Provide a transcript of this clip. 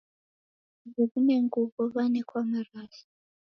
Ndew'ine nguw'o, w'anekwa marasi.